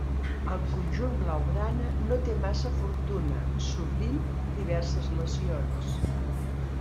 Al conjunt blaugrana no té massa fortuna, sofrint diverses lesions.